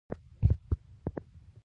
مالټې د پښتورګو لپاره مفیدې دي.